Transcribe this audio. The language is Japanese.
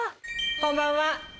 こんばんは。